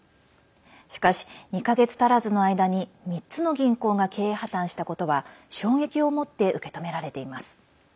しかし、２か月足らずの間に３つの銀行が経営破綻したことは衝撃をもって受け止められています。